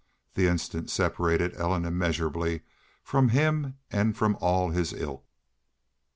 The instant separated Ellen immeasurably from him and from all of his ilk.